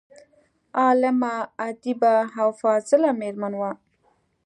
عالمه، ادیبه او فاضله میرمن وه.